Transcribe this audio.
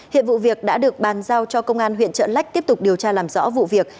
hiện vụ việc đã được bàn giao cho công an huyện trợ lách tiếp tục điều tra làm rõ vụ việc